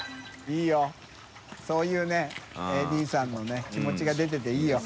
いいそういうね腺弔気鵑里気持ちが出てていいよ。